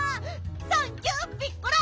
サンキューピッコラ！